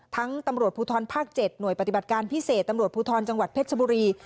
ตำรวจภูทรภาค๗หน่วยปฏิบัติการพิเศษตำรวจภูทรจังหวัดเพชรชบุรี